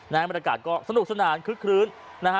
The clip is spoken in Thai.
บรรยากาศก็สนุกสนานคึกคลื้นนะฮะ